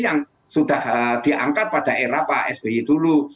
yang sudah diangkat pada era pak sby dulu